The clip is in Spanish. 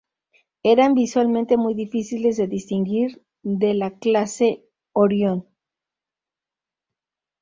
Eran visualmente muy difíciles de distinguir de la clase "Orion".